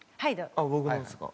あっ僕のですか？